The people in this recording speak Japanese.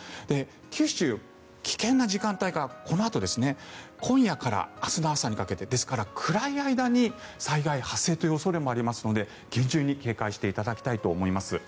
九州、危険な時間帯がこのあと今夜から明日の朝にかけてですから、暗い間に災害発生という恐れもありますので厳重に警戒していただきたいと思います。